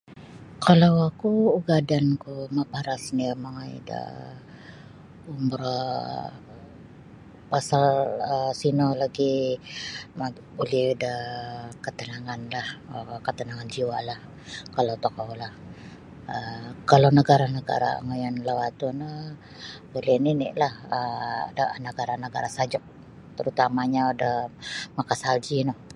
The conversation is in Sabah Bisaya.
Kalau oku ugadanku maparas nio mongoi da umroh pasal um sino lagi' ma buli da katananganlah um katanangan jiwa'lah kalau tokoulah um kalau nagara'-nagara' ngoiyon lawatu' no buli nini'lah da nagara'-nagara' sajuk tarutamanyo do makasalji no.